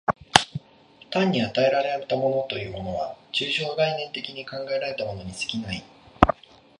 単に与えられたものというものは、抽象概念的に考えられたものに過ぎない。